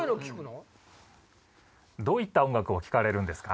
どういった音楽を聴かれるんですか？